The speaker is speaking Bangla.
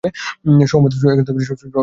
সহমত হতে পারলাম না।